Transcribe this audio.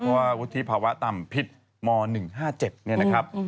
เพราะว่าวุทธิภาวะต่ำพิษม๑๕๗นะครับ